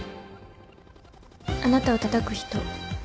あなたをたたく人。